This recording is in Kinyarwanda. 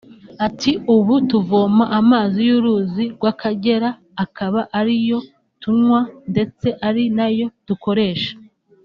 Ati “Ubu tuvoma amazi y’uruzi rw’akagera akaba ariyo tunywa ndetse ari nayo dukoresha